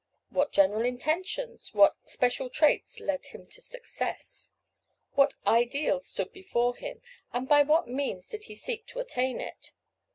What general intentions what special traits led him to success? What ideal stood before him, and by what means did he seek to attain it?